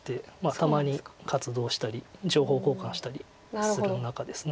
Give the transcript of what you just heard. たまに活動したり情報交換したりする仲です。